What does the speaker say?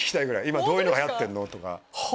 今どういうのが流行ってんの？とか。